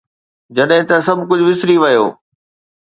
جڏهن ته سڀ ڪجهه وسري ويو.